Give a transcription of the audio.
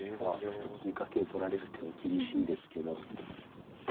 金か桂取られる手も厳しいんですけど。